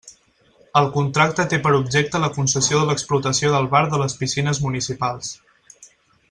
El contracte té per objecte la concessió de l'explotació del bar de les piscines municipals.